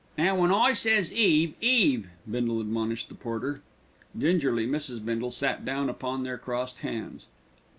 "Now when I says 'eave 'eave," Bindle admonished the porter. Gingerly Mrs. Bindle sat down upon their crossed hands.